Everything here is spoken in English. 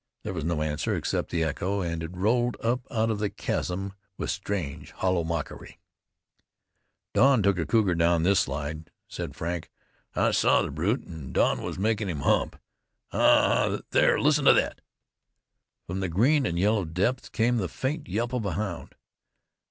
There was no answer except the echo, and it rolled up out of the chasm with strange, hollow mockery. "Don took a cougar down this slide," said Frank. "I saw the brute, an' Don was makin' him hump. A ha! There! Listen to thet!" From the green and yellow depths soared the faint yelp of a hound.